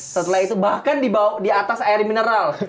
setelah itu bahkan dibawa di atas air mineral